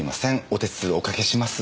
お手数おかけします。